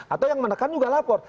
atau yang menekan juga lapor